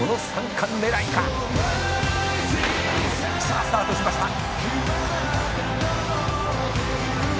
「さあスタートしました」